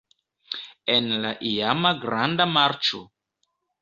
En la iama Granda Marĉo.